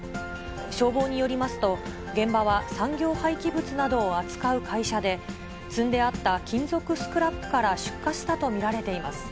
消防によりますと、現場は産業廃棄物などを扱う会社で、積んであった金属スクラップから出火したと見られています。